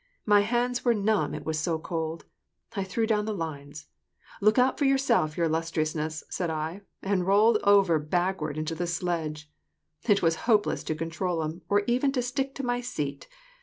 My hands were numb, it was so cold. I threw down the lines. * Look out for yourself, your illustri ousness,' said I, and I rolled over backward into the sledge. It was hopeless to control 'em, or even to stick to my seat.